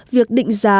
việc định giá